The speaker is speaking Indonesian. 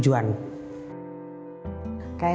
jadi ini kes tujuan